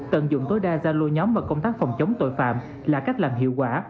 tận dụng tối đa gia lô nhóm và công tác phòng chống tội phạm là cách làm hiệu quả